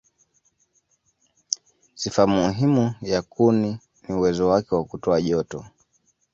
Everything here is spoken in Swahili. Sifa muhimu ya kuni ni uwezo wake wa kutoa joto.